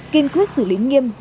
kinh quyết xử lý nghiêm